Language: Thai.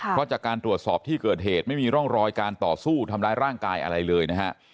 เพราะจากการตรวจสอบที่เกิดเหตุไม่มีร่องรอยการต่อสู้ทำร้ายร่างกายอะไรเลยนะฮะ